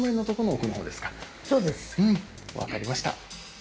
このうん分かりました